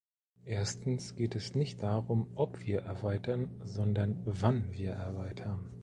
Erstens geht es nicht darum, ob wir erweitern, sondern wann wir erweitern.